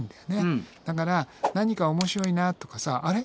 だから何か面白いなとかさあれ？